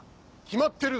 決まってる